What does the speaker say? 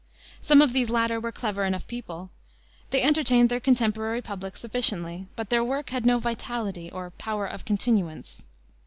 Some of these latter were clever enough people; they entertained their contemporary public sufficiently, but their work had no vitality or "power of continuance."